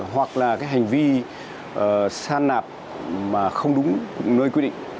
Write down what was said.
hoặc là cái hành vi san nạp mà không đúng nơi quy định